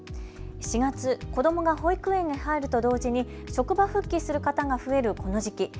４月、子どもが保育園に入ると同時に職場復帰する方が増えるこの時期。